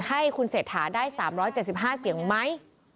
ให้คุณเศรษฐาได้๓๗๕เสียงไหม